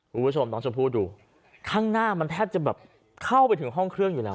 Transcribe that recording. คุณผู้ชมน้องชมพู่ดูข้างหน้ามันแทบจะแบบเข้าไปถึงห้องเครื่องอยู่แล้ว